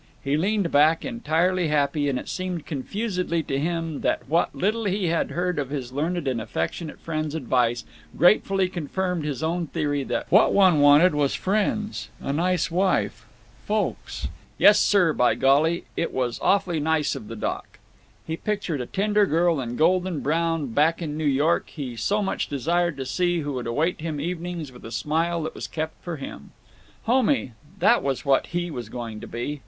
He leaned back, entirely happy, and it seemed confusedly to him that what little he had heard of his learned and affectionate friend's advice gratefully confirmed his own theory that what one wanted was friends—a "nice wife"—folks. "Yes, sir, by golly! It was awfully nice of the Doc." He pictured a tender girl in golden brown back in the New York he so much desired to see who would await him evenings with a smile that was kept for him. Homey—that was what he was going to be!